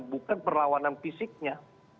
bukan perlawanan fisiknya